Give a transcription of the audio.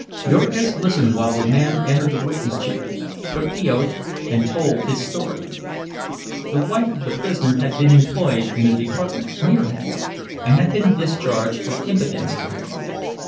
Jurgis listened while the man entered the witness chair, took the oath, and told his story. The wife of the prisoner had been employed in a department near him, and had been discharged for impudence to him.